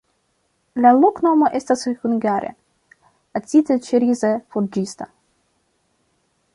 La loknomo estas hungare: acidĉeriza-forĝista.